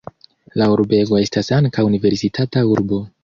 La urbego estas ankaŭ universitata urbo.